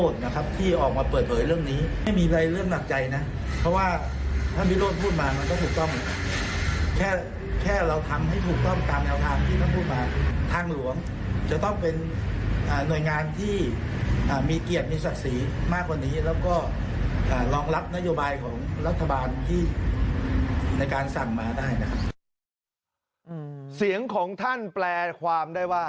เสียงของท่านแปลความได้ว่า